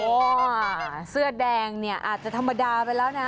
เสื้อแดงเนี่ยอาจจะธรรมดาไปแล้วนะ